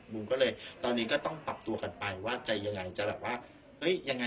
บุ๋มก็เลยตอนนี้ก็ต้องปรับตัวกันไปว่าจะยังไงจะแบบว่าเฮ้ยยังไง